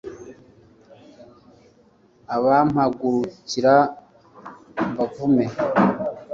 abampagurukira mbavume